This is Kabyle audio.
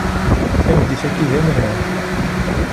Tameddit-agi d amrar.